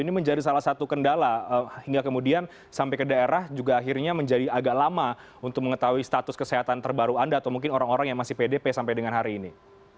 ini menjadi salah satu kendala hingga kemudian sampai ke daerah juga akhirnya menjadi agak lama untuk mengetahui status kesehatan terbaru anda atau mungkin orang orang yang masih pdp sampai dengan hari ini